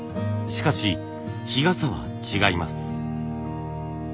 しかし日傘は違います。